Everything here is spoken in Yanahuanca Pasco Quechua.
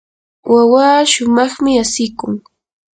wawaa shumaqmi asikun.